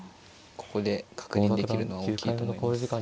ここで確認できるのは大きいと思います。